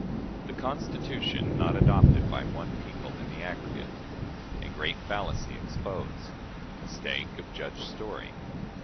The Constitution not adopted by one People "in the Aggregate." A Great Fallacy exposed. Mistake of Judge Story.